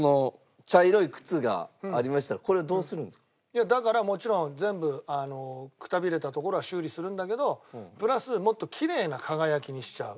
いやだからもちろん全部くたびれたところは修理するんだけどプラスもっときれいな輝きにしちゃう。